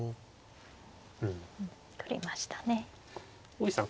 大石さん